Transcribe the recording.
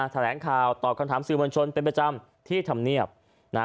แถลงข่าวตอบคำถามสื่อมวลชนเป็นประจำที่ทำเนียบนะฮะ